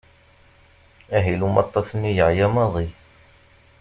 Ahil umaṭṭaf-nni yeɛya maḍi.